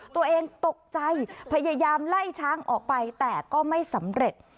ตัวเองตกใจพยายามไล่ช้างออกไปแต่ก็ไม่สำเร็จ